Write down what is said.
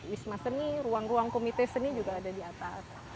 wisma seni ruang ruang komite seni juga ada di atas